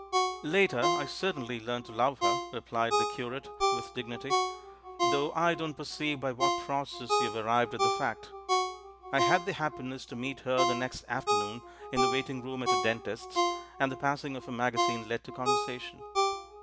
"Later, I certainly learnt to love her," replied 264 THE MAN WHO UNDERSTOOD WOMEN the curate with dignity, "though I don't perceive by what process you have arrived at the fact. I had the happiness to meet her the next afternoon — in the waiting room at a dentist's — and the passing of a magazine led to conversation."